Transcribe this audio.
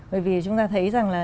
bởi vì chúng ta thấy rằng là